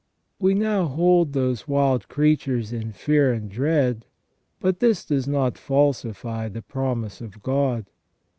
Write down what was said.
We now hold those wild creatures in fear and dread, but this does not falsify the promise of God.